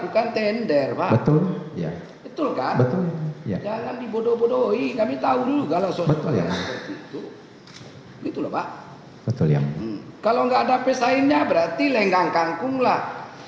kalau nggak ada pesaingnya berarti lenggang kangkung lah